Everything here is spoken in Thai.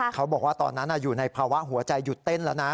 เขาบอกว่าตอนนั้นอยู่ในภาวะหัวใจหยุดเต้นแล้วนะ